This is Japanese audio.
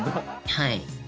はい。